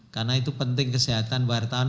karena itu penting kesehatan wartawan